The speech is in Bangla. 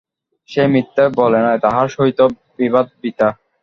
সে মিথ্যা বলে নাই, তাহার সহিত বিবাদ বৃথা।